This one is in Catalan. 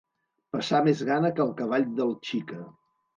Passar més gana que el cavall del Xica.